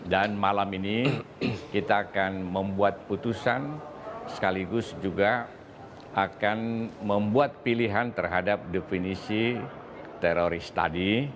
dan malam ini kita akan membuat putusan sekaligus juga akan membuat pilihan terhadap definisi teroris tadi